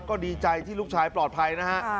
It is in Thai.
ก็ดีใจที่ลูกชายปลอดภัยนะฮะ